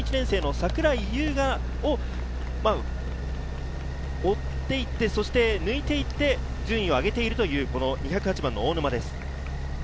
その隣に２１０番、こちらも１年生の桜井優我を追っていって、抜いていって順位を上げているという２０８番の大沼です。